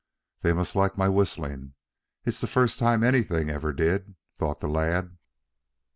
"They must like my whistling. It's the first time anything ever did," thought the lad.